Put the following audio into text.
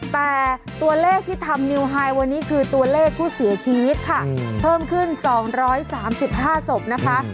แต่ตัวเลขที่ทำนิวไฮวันนี้คือตัวเลขผู้เสียชีวิตค่ะเพิ่มขึ้น๒๓๕ศพนะคะ